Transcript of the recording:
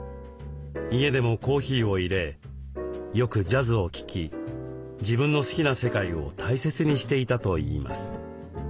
家でもコーヒーをいれよくジャズを聴き自分の好きな世界を大切にしていたといいます。